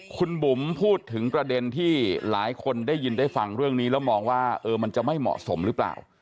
คุณบุ๋มพูดถึงประเด็นที่หลายคนได้ยินได้ฟังเรื่องนี้แล้วมองว่ามันจะไม่เหมาะสมหรือเปล่า